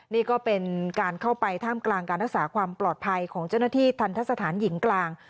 นี่ก็เป็นการเข้าไปท่ามกลางการรักษาความปลอดภัยของเจ้าหน้าที่ทันทะสถานหญิงกลาง